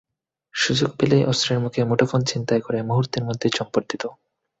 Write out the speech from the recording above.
সুযোগ পেলেই অস্ত্রের মুখে মুঠোফোন ছিনতাই করে মুহূর্তের মধ্যে চম্পট দিত।